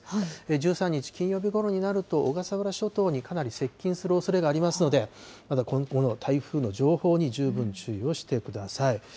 １３日金曜日ごろになると、小笠原諸島にかなり接近するおそれがありますので、この台風の情報に十分注意をしてください。